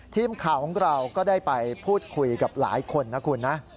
ทีมข่าวของเราก็ได้ไปพูดคุยกับหลายคนนะคุณนะ